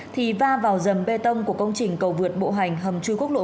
thì va vào dầm bê tông của công trình cầu vượt bộ hành hầm chui quốc lộ một